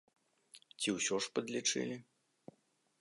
Ці ўсё ж падлічылі?